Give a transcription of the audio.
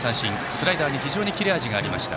スライダーに非常に切れ味がありました